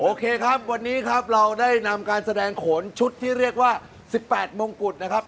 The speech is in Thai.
โอเคครับวันนี้ครับเราได้นำการแสดงโขนชุดที่เรียกว่า๑๘มงกุฎนะครับ